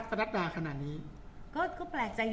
บุ๋มประดาษดาก็มีคนมาให้กำลังใจเยอะ